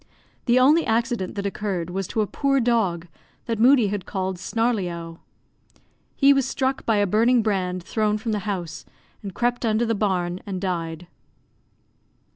The only accident that occurred was to a poor dog, that Moodie had called Snarleyowe. He was struck by a burning brand thrown from the house, and crept under the barn and died.